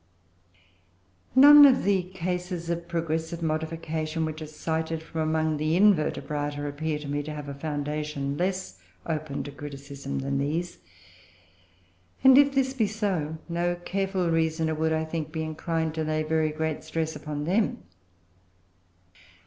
None of the cases of progressive modification which are cited from among the Invertebrata appear to me to have a foundation less open to criticism than these; and if this be so, no careful reasoner would, I think, be inclined to lay very great stress upon them.